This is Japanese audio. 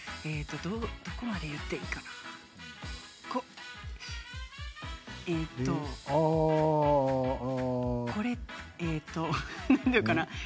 どこまで言っていいかな。